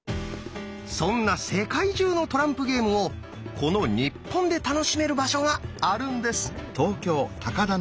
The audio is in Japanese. そんな世界中のトランプゲームをこの日本で楽しめる場所があるんです！